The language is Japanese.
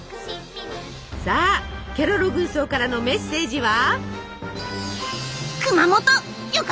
さあケロロ軍曹からのメッセージは。